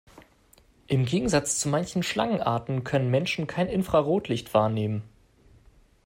Im Gegensatz zu manchen Schlangenarten können Menschen kein Infrarotlicht wahrnehmen.